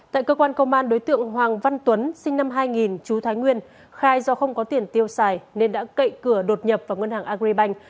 tại cơ quan công an đối tượng hoàng văn tuấn sinh năm hai nghìn chú thái nguyên khai do không có tiền tiêu xài nên đã cậy cửa đột nhập vào ngân hàng agribank